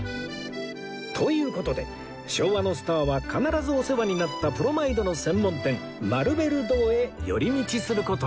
という事で昭和のスターは必ずお世話になったプロマイドの専門店マルベル堂へ寄り道する事に